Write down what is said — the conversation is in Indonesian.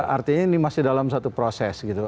artinya ini masih dalam satu proses gitu